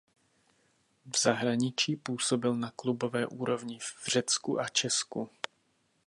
V zahraničí působil na klubové úrovni v Řecku a Česku.